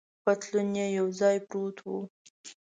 پتلون یې یو ځای پروت و.